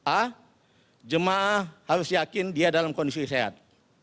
a jemaah harus yakin dia dalam kondisi sehat